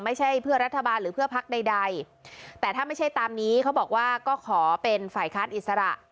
ไม่ใช่เพื่อรัฐบาลหรือเพื่อพักใดใดแต่ถ้าไม่ใช่ตามนี้เขาบอกว่าก็ขอเป็นฝ่ายค้านอิสระ